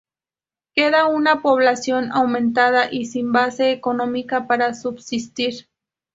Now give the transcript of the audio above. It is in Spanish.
Queda una población aumentada y sin base económica para subsistir.